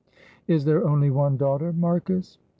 "Is there only one daughter, Marcus?"